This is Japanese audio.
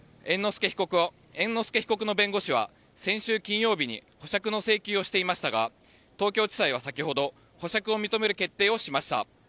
猿之助被告の弁護士は先週金曜日に保釈の請求をしていましたが東京地裁は先ほど保釈を認める決定をしました。